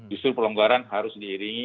justru pelonggaran harus diiringi